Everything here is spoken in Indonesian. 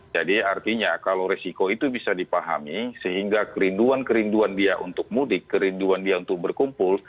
jadi artinya kalau resiko itu bisa dipahami sehingga kerinduan kerinduan dia untuk mudik kerinduan dia untuk berkumpul